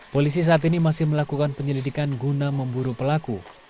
polisi saat ini masih melakukan penyelidikan guna memburu pelaku